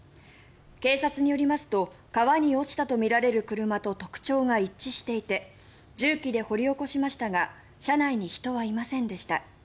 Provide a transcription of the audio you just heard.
警察によりますと川に落ちたとみられる車と特徴が一致していて重機で掘り起こしましたが車内に人はいませんでした。